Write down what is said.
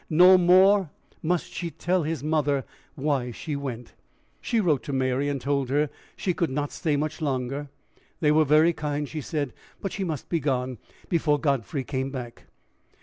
No more must she tell his mother why she went. She wrote to Mary, and told her she could not stay much longer. They were very kind, she said, but she must be gone before Godfrey came back.